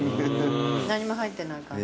何も入ってないから。